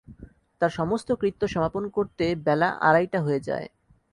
তাঁর সমস্ত কৃত্য সমাপন করতে বেলা আড়াইটে হয়ে যায়।